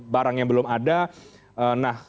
barangnya belum ada